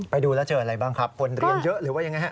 ไปดูแล้วเจออะไรบ้างครับคนเรียนเยอะหรือว่ายังไงฮะ